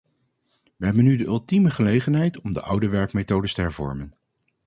Wij hebben nu de ultieme gelegenheid om de oude werkmethodes te hervormen.